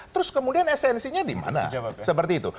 terus kemudian esensinya dimana seperti itu